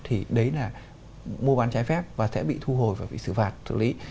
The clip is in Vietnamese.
thì đấy là mua bán trái phép và sẽ bị thu hồi và bị xử phạt xử lý